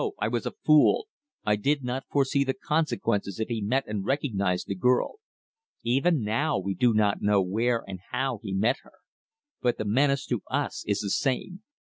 I was a fool! I did not foresee the consequences if he met and recognized the girl. Even now we do not know where and how he met her. But the menace to us is the same.